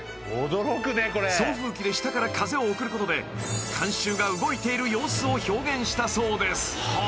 ［送風機で下から風を送ることで観衆が動いている様子を表現したそうです］